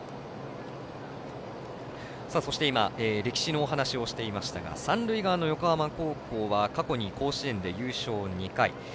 そして歴史の話をしていましたが三塁側の横浜高校は過去に甲子園で優勝２回。